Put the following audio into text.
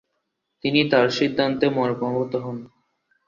তিনি তার সিদ্ধান্তে মর্মাহত হন।